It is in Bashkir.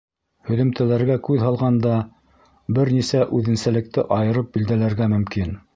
Һөҙөмтәләргә күҙ һалғанда, бер нисә үҙенсәлекте айырып билдәләргә мөмкин.